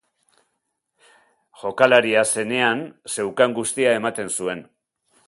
Jokalaria zenean zeukan guztia ematen zuen.